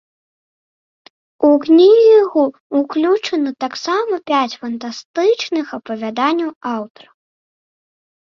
У кнігу ўключана таксама пяць фантастычных апавяданняў аўтара.